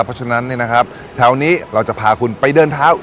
เพราะฉะนั้นเนี่ยนะครับแถวนี้เราจะพาคุณไปเดินเท้า